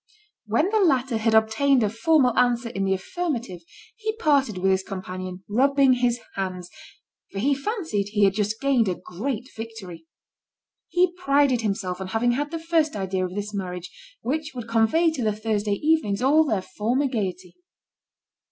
When the latter had obtained a formal answer in the affirmative, he parted with his companion, rubbing his hands, for he fancied he had just gained a great victory. He prided himself on having had the first idea of this marriage which would convey to the Thursday evenings all their former gaiety.